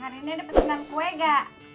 harinya ada pesenan kue ga